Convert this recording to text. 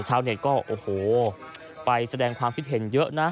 ชาวเน็ตก็โอ้โหไปแสดงความคิดเห็นเยอะนะ